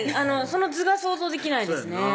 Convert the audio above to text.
その図が想像できないですね